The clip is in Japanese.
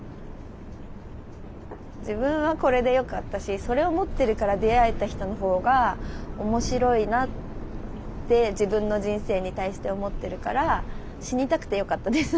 自分はこれでよかったしそれを持ってるから出会えた人の方が面白いなって自分の人生に対して思ってるから死にたくてよかったです